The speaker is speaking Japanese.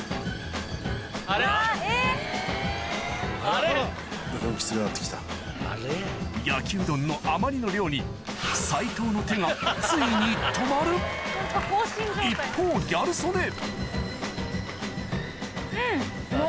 あれ⁉焼きうどんのあまりの量に齊藤の手がついに止まる一方ギャル曽根うん。